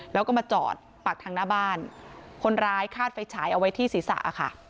แล้วก็มาจอดปากทางหน้าบ้านคนร้ายคาดไฟฉายเอาไว้ที่ศีรษะค่ะ